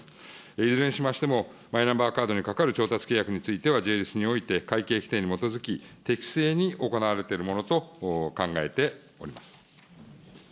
いずれにしましても、マイナンバーカードに係る調達契約については、ＪーＬＩＳにおいて、会計規定に基づき、適正に行われているものと考えております。